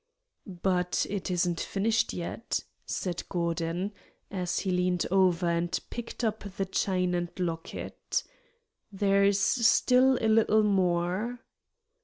"But it isn't finished yet," said Gordon, as he leaned over and picked up the chain and locket. "There is still a little more."